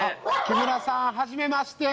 木村さんはじめまして。